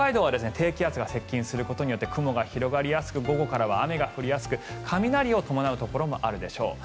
北海道は低気圧が接近することによって雲が広がりやすく午後は雨が降りやすく雷を伴うところもあるでしょう。